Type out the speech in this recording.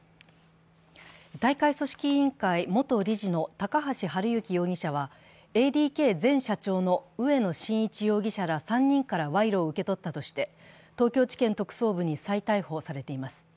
大会組織委員会元理事の高橋治之容疑者は、ＡＤＫ前社長の植野伸一容疑者ら３人から賄賂を受け取ったとして東京地検特捜部に再逮捕されています。